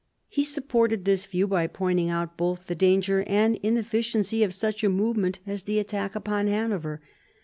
He supported this view by pointing out both the danger and inefficiency of such a movement as the attack upon Hanover.